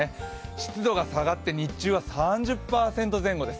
湿度が下がって日中は３０％前後です。